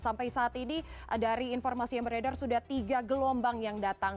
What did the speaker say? sampai saat ini dari informasi yang beredar sudah tiga gelombang yang datang